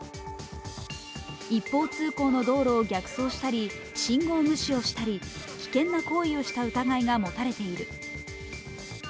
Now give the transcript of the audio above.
一報通行の道路を逆走したり信号無視をしたり、危険な行為をした疑いが持たれている。